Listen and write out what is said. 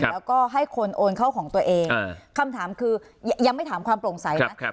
แล้วก็ให้คนโอนเข้าของตัวเองคำถามคือยังไม่ถามความโปร่งใสนะ